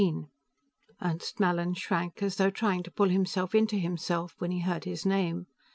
XV Ernst Mallin shrank, as though trying to pull himself into himself, when he heard his name.